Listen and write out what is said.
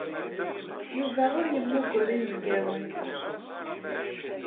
Yuba ur yemmuger inebgawen.